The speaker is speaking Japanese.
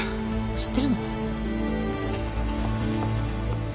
知ってるの？